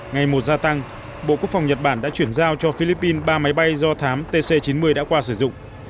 ngày một gia tăng bộ quốc phòng nhật bản đã chuyển giao cho philippines ba máy bay do thám tc chín mươi đã qua sử dụng